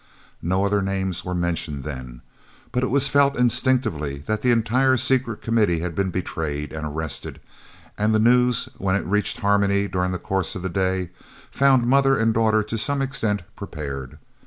No other names were mentioned then, but it was felt instinctively that the entire Secret Committee had been betrayed and arrested, and the news, when it reached Harmony during the course of the day, found mother and daughter to some extent prepared.